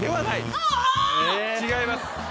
違います。